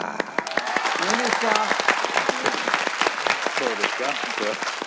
そうですか。